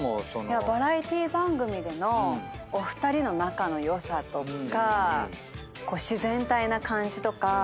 バラエティー番組でのお二人の仲の良さとか自然体な感じとか。